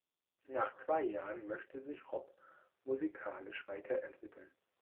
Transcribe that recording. Nach zwei Jahren möchte sich Rob musikalisch weiterentwickeln.